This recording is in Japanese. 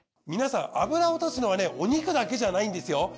皆さん油を落とすのはねお肉だけじゃないんですよ。